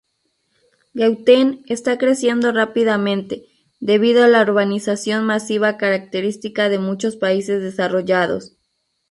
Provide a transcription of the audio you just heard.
Gauteng está creciendo rápidamente, debido a la urbanización masiva, característica de muchos países desarrollados.